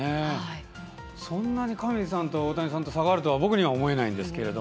そんなに上地さんと大谷さんに差があるとは僕には思えないんですけれど。